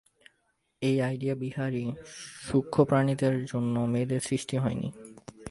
এই আইডিয়াবিহারী সূক্ষ্ম প্রাণীদের জন্যে মেয়েদের সৃষ্টি হয় নি।